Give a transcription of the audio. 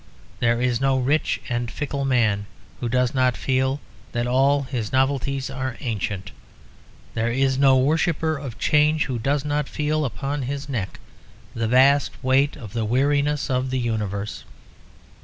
There is no rich and fickle man who does not feel that all his novelties are ancient. There is no worshipper of change who does not feel upon his neck the vast weight of the weariness of the universe.